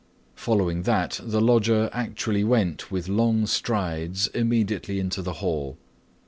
Following that, the lodger actually went with long strides immediately out into the hall.